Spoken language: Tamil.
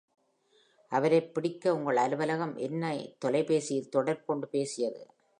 அவரைப் பிடிக்க உங்கள் அலுவலகம் என்னை தொலைபேசியில் தொடர்பு கொண்டு பேசியது.